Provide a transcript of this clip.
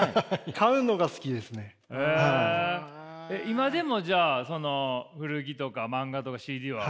今でもじゃあその古着とか漫画とかＣＤは？